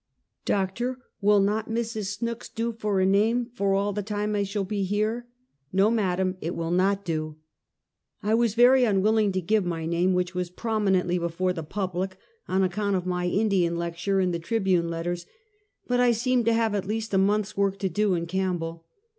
" Doctor, will not Mrs. Snooks do for a name, for all the time I shall be here?" " No, madam, it will not do." I was very unwilling to give my name, which was prominently before the public, on account of my In dian lecture and Trihune letters, but I seemed to have at least a month's work to do in Campbell.